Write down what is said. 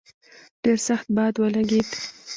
ډېر سخت باد ولګېد.